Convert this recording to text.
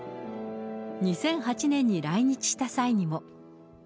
２００８年に来日した際にも。